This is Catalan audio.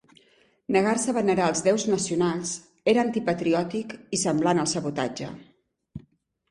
Negar-se a venerar els déus nacionals era antipatriòtic i semblant al sabotatge.